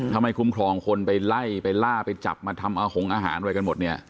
ถ้าไม่คุ้มครองคนไปไล่ไปล่าไปจับมาทำอาหงอาหารไว้กันหมดเนี่ย